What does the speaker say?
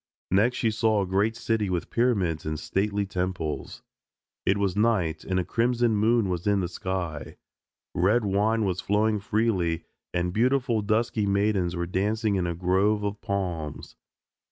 Next she saw a great city with pyramids and stately temples. It was night, and a crimson moon was in the sky. Red wine was flowing freely, and beautiful dusky maidens were dancing in a grove of palms.